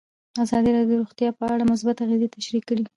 ازادي راډیو د روغتیا په اړه مثبت اغېزې تشریح کړي.